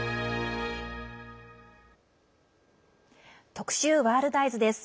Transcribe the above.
特集「ワールドＥＹＥＳ」。